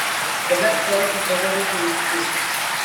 The Black Forest is located to its east.